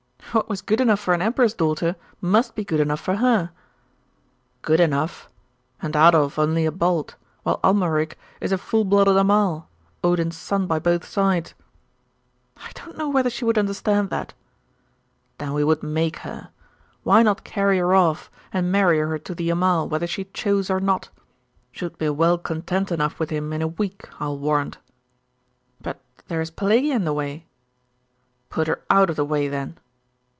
'What was good enough for an emperor's daughter must be good enough for her.' 'Good enough? And Adolf only a Balt, while Amalric is a full blooded Amal Odin's son by both sides?' 'I don't know whether she would understand that.' 'Then we would make her. Why not carry her off, and marry her to the Amal whether she chose or not? She would be well content enough with him in a week, I will warrant.' 'But there is Pelagia in the way.' 'Put her out of the way, then.